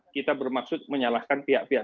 kita bermaksud menyalahkan pihak pihak